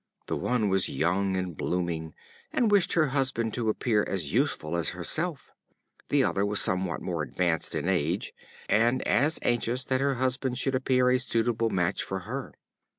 The one was young and blooming, and wished her husband to appear as youthful as herself; the other was somewhat more advanced in age, and was as anxious that her husband should appear a suitable match for her.